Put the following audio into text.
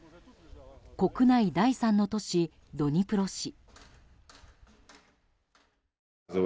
国内第３の都市、ドニプロ市。